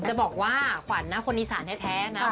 จะบอกว่าขวัญนะคนอีสานแท้นะ